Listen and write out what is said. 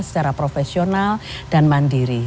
secara profesional dan mandiri